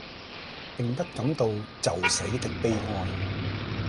並不感到就死的悲哀。